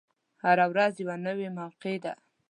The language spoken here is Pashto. هره ورځ یوه نوی موقع ده.